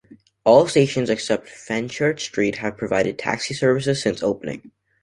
All stations except Fenchurch Street have provided taxi services since opening.